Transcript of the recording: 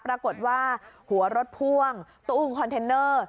ปรากฏว่าหัวรถพ่วงตู้คอนเทนเนอร์